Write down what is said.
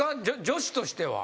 女子としては。